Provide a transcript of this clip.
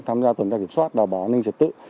tham gia tuần tra kiểm soát đảm bảo an ninh chất tử